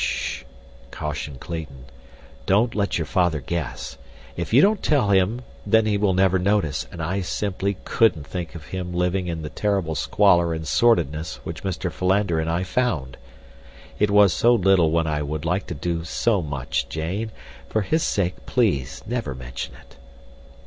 "S sh," cautioned Clayton. "Don't let your father guess. If you don't tell him he will never notice, and I simply couldn't think of him living in the terrible squalor and sordidness which Mr. Philander and I found. It was so little when I would like to do so much, Jane. For his sake, please, never mention it."